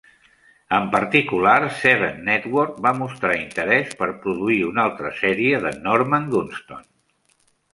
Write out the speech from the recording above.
En particular, Seven Network va mostrar interès per produir una altra sèrie de "Norman Gunston".